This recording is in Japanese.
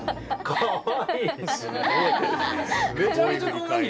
かわいい。